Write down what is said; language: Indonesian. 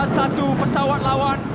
satu pesawat lawan